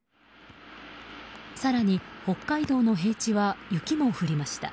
更に、北海道の平地は雪も降りました。